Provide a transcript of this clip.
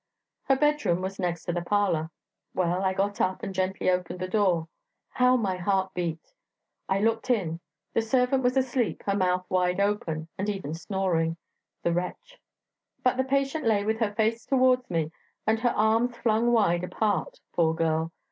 Her bedroom was next to the parlour. Well, I got up, and gently opened the door how my heart beat! I looked in: the servant was asleep, her mouth wide open, and even snoring, the wretch! but the patient lay with her face towards me and her arms flung wide apart, poor girl!